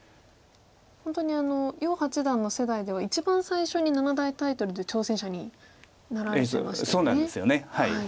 本当に余八段の世代では一番最初に七大タイトルで挑戦者になられてましたよね。